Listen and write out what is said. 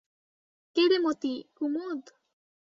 কে রে মতি, কুমুদ?